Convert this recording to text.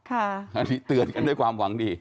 อันนี้เตือนกันด้วยความหวังดี